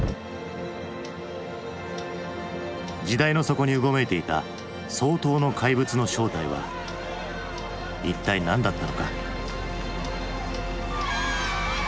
時代の底にうごめいていた双頭の怪物の正体は一体何だったのか。